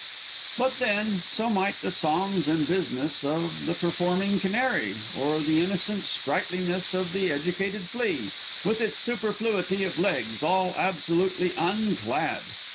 But then, so might the "songs and business" of the performing canary, or the innocent sprightliness of the educated flea, with its superfluity of legs, all absolutely unclad.